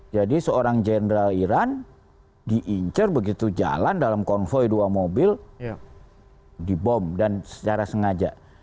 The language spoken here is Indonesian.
jadi seorang jenderal iran diincir begitu jalan dalam konvoy dua mobil dibom dan secara sengaja